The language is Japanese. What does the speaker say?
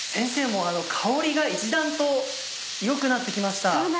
もう香りが一段と良くなって来ました。